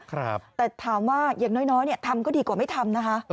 แต่ถามว่าอย่างน้อยเนี่ยทำก็ดีกว่าไม่ทำนะคะ